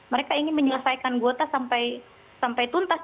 mereka ingin menyelesaikan gota sampai tuntas